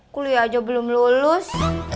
kuliah aja belum lulus